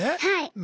はい。